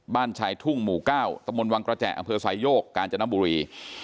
บ้านชายทุ่งหมู่เก้าตะมนต์วังกระแจอำเภอสายโยกการจนบุรี